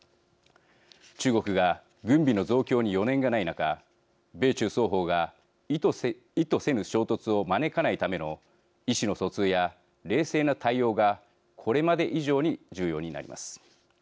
中国が軍備の増強に余念がない中米中双方が意図せぬ衝突を招かないための意思の疎通や冷静な対応がこれまで以上に重要になります。